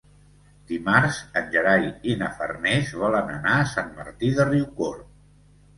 Dimarts en Gerai i na Farners volen anar a Sant Martí de Riucorb.